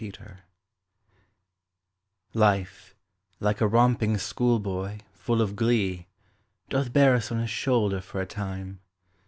LIFE Life, like a romping schoolboy, full of glee, Doth bear us on his shoulder for a time.